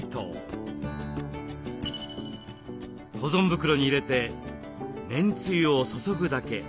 保存袋に入れてめんつゆを注ぐだけ。